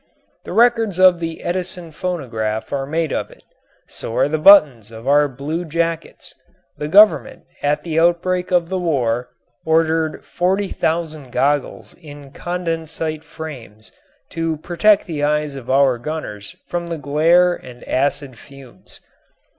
The records of the Edison phonograph are made of it. So are the buttons of our blue jackets. The Government at the outbreak of the war ordered 40,000 goggles in condensite frames to protect the eyes of our gunners from the glare and acid fumes.